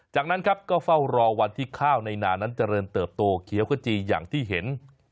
จากนั้นครับก็เฝ้ารอวันที่ข้าวในนานั้นเจริญเติบโตเขียวขจีอย่างที่เห็น